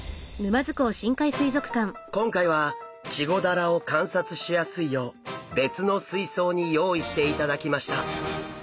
今回はチゴダラを観察しやすいよう別の水槽に用意していただきました。